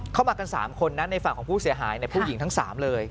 เข้ามากัน๓คนนะในฝั่งของผู้เสียหายผู้หญิงทั้ง๓เลย